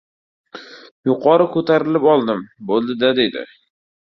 Yuqori ko‘tarilib oldim, bo‘ldi-da", dedi.